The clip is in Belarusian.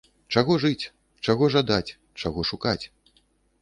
Чаго жыць, чаго жадаць, чаго шукаць?